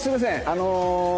あの。